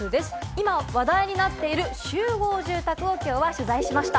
今話題になっている集合住宅をきょうは取材しました。